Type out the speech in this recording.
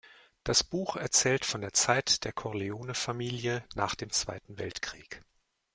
Das Buch erzählt von der Zeit der Corleone-Familie nach dem Zweiten Weltkrieg.